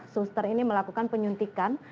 suster ini melakukan penyuntikan